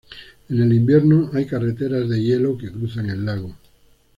En el invierno, hay carreteras de hielo que cruzan el lago.